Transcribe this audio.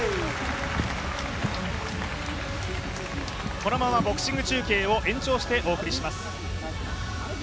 このままボクシング中継を延長してお送りします。